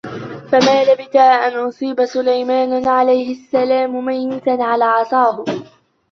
فَمَا لَبِثَ أَنْ أُصِيبَ سُلَيْمَانُ عَلَيْهِ السَّلَامُ مَيِّتًا عَلَى عَصَاهُ